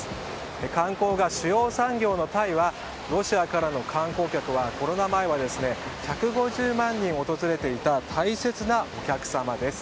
観光が主要産業のタイはロシアからの観光客はコロナ前は１５０万人訪れていた大切なお客様です。